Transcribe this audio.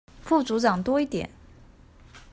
副組長多一點